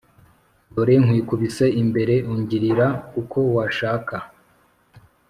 Dore nkwikubise imbere ungirira uko washaka